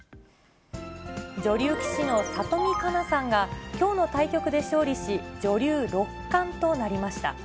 女流棋士の里見香奈さんが、きょうの対局で勝利し、女流六冠となりました。